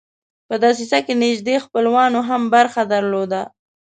په دسیسه کې نیژدې خپلوانو هم برخه درلوده.